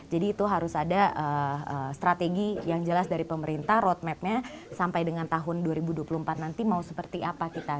jadi itu harus ada strategi yang jelas dari pemerintah road map nya sampai dengan tahun dua ribu dua puluh empat nanti mau seperti apa kita